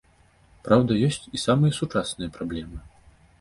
Праўда, ёсць і самыя сучасныя праблемы.